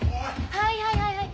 はいはいはいはい。